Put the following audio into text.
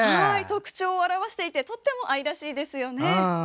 特徴をよく表していてとても愛らしいですよね。